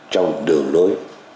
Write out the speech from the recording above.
trong đường lối